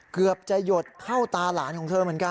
เกือบจะหยดเข้าตาหลานของเธอเหมือนกัน